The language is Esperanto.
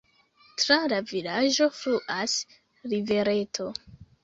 Tra la vilaĝo fluas rivereto.